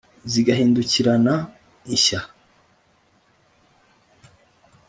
zigahindukirana ishya,